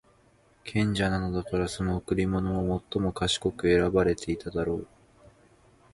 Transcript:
賢者なのだから、その贈り物も最も賢く選ばていただろう。